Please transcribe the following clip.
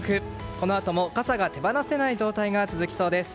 このあとも傘が手放せない状態が続きそうです。